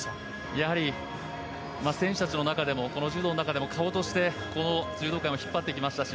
やはり、選手たちの中でもこの柔道の中でも顔として柔道界を引っ張ってきましたし